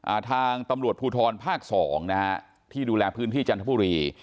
ทางตำรวจภูทรภาคสองนะฮะที่ดูแลพื้นที่จันทบุรี